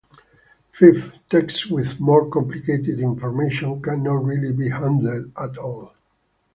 Fifth, texts with more complicated information cannot really be handled at all.